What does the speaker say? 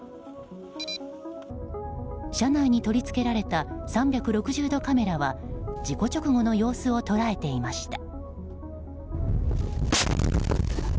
車内に取り付けられた３６０度カメラは事故直後の様子を捉えていました。